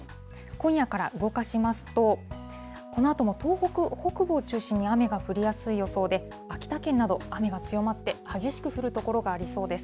今夜から動かしますと、このあとも東北北部を中心に雨が降りやすい予想で、秋田県など、雨が強まって激しく降る所がありそうです。